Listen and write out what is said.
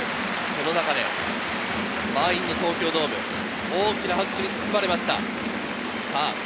その中で、満員の東京ドーム、大きな拍手に包まれました。